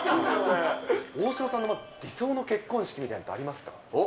大城さんの理想の結婚式ってありますか？